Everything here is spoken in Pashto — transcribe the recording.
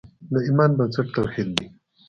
د ایمان بنسټ توحید دی.